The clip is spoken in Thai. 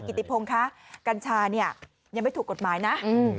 ติพงคะกัญชาเนี่ยยังไม่ถูกกฎหมายนะ